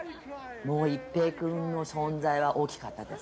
一平君の存在は大きかったです。